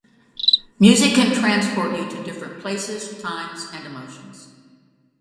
Music can transport you to different places, times, and emotions.